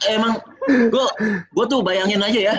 emang gue tuh bayangin aja ya